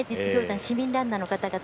市民ランナーの方々